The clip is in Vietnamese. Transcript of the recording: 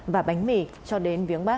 và bánh mì cho khách đến viếng bắc